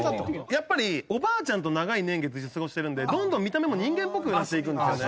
やっぱりおばあちゃんと長い年月過ごしてるんでどんどん見た目も人間っぽくなっていくんですよね。